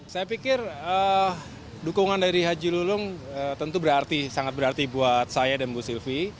saya pikir dukungan dari haji lulung tentu sangat berarti buat saya dan bu sylvi